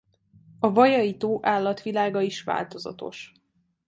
A Vajai-tó állatvilága is változatos.